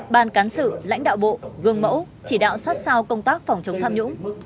ban cán sự lãnh đạo bộ gương mẫu chỉ đạo sát sao công tác phòng chống tham nhũng